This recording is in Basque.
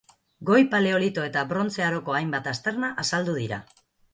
Goi Paleolito eta Brontze aroko hainbat aztarna azaldu dira.